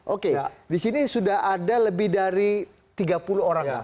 oke disini sudah ada lebih dari tiga puluh orang